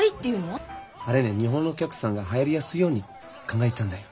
あれね日本のお客さんが入りやすいように考えたんだよ。